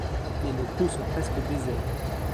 Les locaux sont presque déserts.